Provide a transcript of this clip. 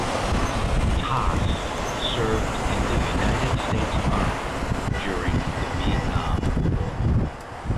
Tass served in the United States Army during the Vietnam War.